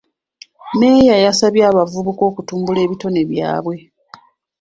Mmeeya yasabye abavubuka okutumbula ebitone byabwe .